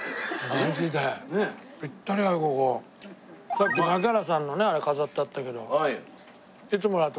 さっき槙原さんのねあれ飾ってあったけど。